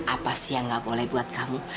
apa sih yang gak boleh buat kamu